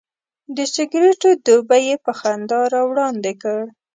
د سګرټو ډبی یې په خندا راوړاندې کړ.